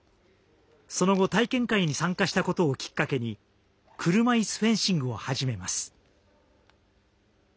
その後、体験会に参加したことをきっかけに車いすフェンシングを始めます。